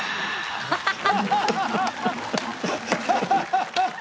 ハハハハ。